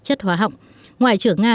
chất hóa học ngoại trưởng nga